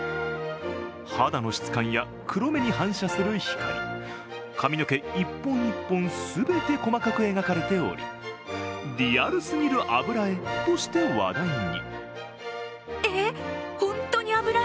肌の質感や黒目に反射する光髪の毛１本１本全て細かく描かれており、リアルすぎる油絵として話題に。